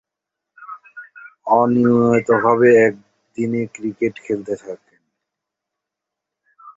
অনিয়মিতভাবে একদিনের ক্রিকেটে খেলতে থাকেন।